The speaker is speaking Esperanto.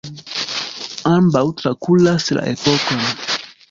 Ambaŭ trakuras la epokon.